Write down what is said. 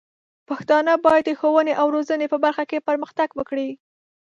پښتانه بايد د ښوونې او روزنې په برخه کې پرمختګ وکړي.